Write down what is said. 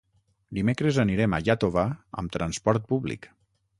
Dimecres anirem a Iàtova amb transport públic.